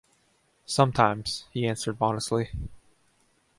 "Sometimes," he answered modestly.